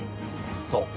そう。